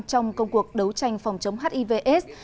trong công cuộc đấu tranh phòng chống hivs